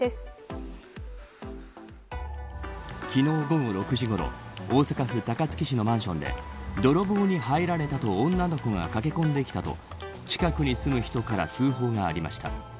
昨日、午後６時ごろ大阪府高槻市のマンションで泥棒に入られたと女の子が駆け込んできたと近くに住む人から通報がありました。